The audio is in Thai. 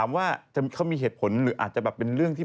ไม่เคยเจอนที